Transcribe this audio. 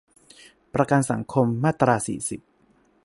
ประกันสังคม มาตรา สี่สิบ